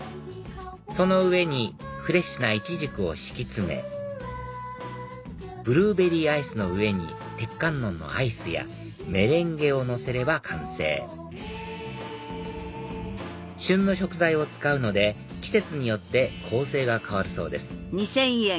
その上にフレッシュなイチジクを敷き詰めブルーベリーアイスの上に鉄観音のアイスやメレンゲをのせれば完成旬の食材を使うので季節によって構成が変わるそうです